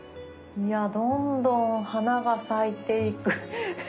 いやどんどん花が咲いていく。